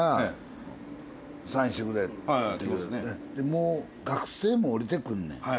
もう学生も降りてくんねん。